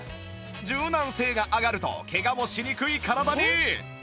柔軟性が上がるとケガもしにくい体に